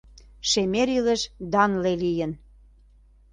Шемер илыш данле лийын.